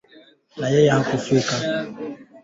jinsi ya kupika majtembele